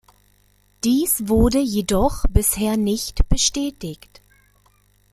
Dies wurde jedoch bisher nicht bestätigt.